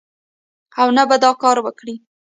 او نه به دا کار وکړي